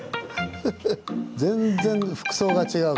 全然服装が違うからな。